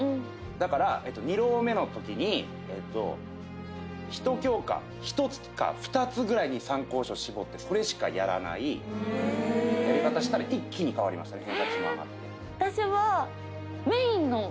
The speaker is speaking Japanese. だから２浪目の時に１教科１つか２つぐらいに参考書絞ってそれしかやらないやり方したら一気に変わりましたね